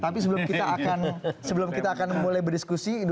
tapi sebelum kita akan mulai berdiskusi